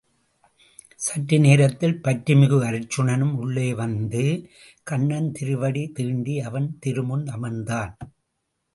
சற்று நேரத்தில் பற்றுமிகு அருச்சுனனும் உள்ளே வந்து கண்ணன் திருவடி தீண்டி அவன் திரு முன் அமர்ந் தான்.